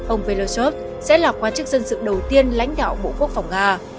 ông veloschov sẽ là quan chức dân sự đầu tiên lãnh đạo bộ quốc phòng nga